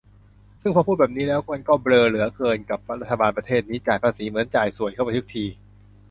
ซึ่งพอพูดแบบนี้แล้ว มันก็เบลอเหลือเกินกับรัฐบาลประเทศนี้ จ่ายภาษีเหมือนจ่ายส่วยเข้าไปทุกที